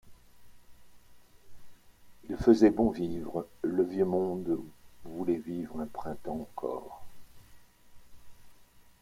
Il faisait bon vivre, le vieux monde voulait vivre un printemps encore.